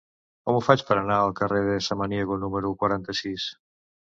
Com ho faig per anar al carrer de Samaniego número quaranta-sis?